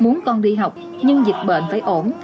muốn con đi học nhưng dịch bệnh phải ổn